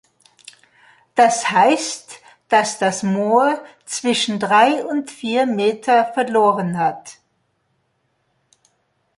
Das heißt, dass das Moor zwischen drei und vier Meter verloren hat.